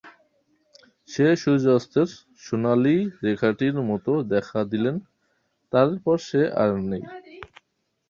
সে সূর্যাস্তের সোনার রেখাটির মতো দেখা দিলে, তার পরে সে আর নেই!